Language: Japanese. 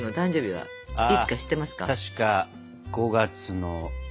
はい！